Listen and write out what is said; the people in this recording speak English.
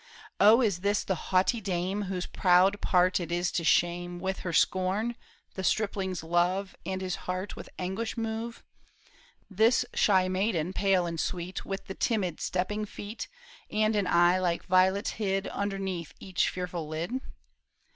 O is this the haughty dame Whose proud part it is to shame. With her scorn, the stripling's love, And his heart with anguish move ? This shy maiden, pale and sweet, With the timid stepping feet. And an eye like violets hid Underneath each fearful lid